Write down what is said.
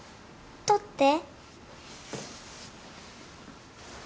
取って。